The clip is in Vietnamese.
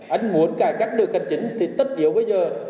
anh muốn cải cách nơi cạnh chính thì tất yếu bây giờ